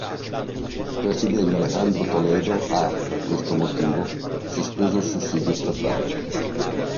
Il presidente Alejandro Toledo ha, per questo motivo, sospeso il sussidio statale.